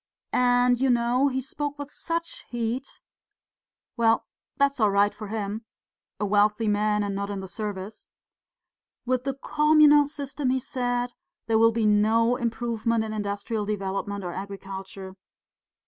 And, you know, he spoke with such heat; well, that's all right for him a wealthy man, and not in the service. 'With the communal system,' he said, 'there will be no improvement in industrial development or agriculture.